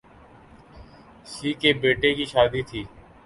س کے بیٹے کی شادی تھی